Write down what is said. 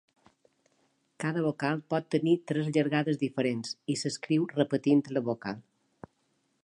Cada vocal pot tenir tres llargades diferents i s'escriu repetint la vocal.